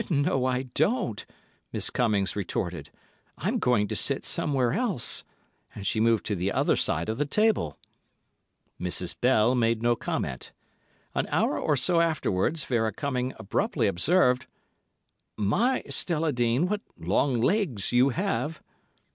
"No, I don't," Miss Cummings retorted; "I'm going to sit somewhere else," and she moved to the other side of the table. Mrs. Bell made no comment. An hour or so afterwards, Vera Cummings abruptly observed: "My, Stella Dean, what long legs you have!"